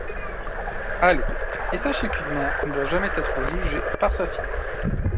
Allez, et sachez qu’une mère ne doit jamais être jugée par sa fille...